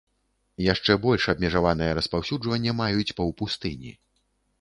Яшчэ больш абмежаванае распаўсюджванне маюць паўпустыні.